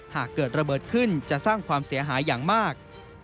หากเกิดระเบิดขึ้นจะสร้างความเสียหายอย่างมาก